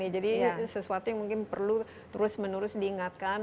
jadi sesuatu yang mungkin perlu terus menerus diingatkan